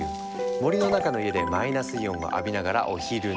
森の中の家でマイナスイオンを浴びながらお昼寝。